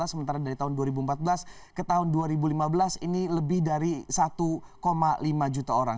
sementara dari tahun dua ribu empat belas ke tahun dua ribu lima belas ini lebih dari satu lima juta orang